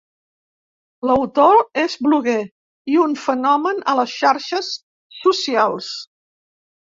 L'autor és bloguer i un fenomen a les xarxes socials.